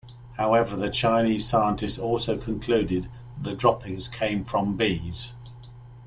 However, the Chinese scientists also concluded that the droppings came from bees.